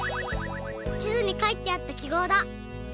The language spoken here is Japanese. ちずにかいてあったきごうだ！